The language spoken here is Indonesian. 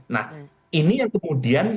nah ini yang kemudian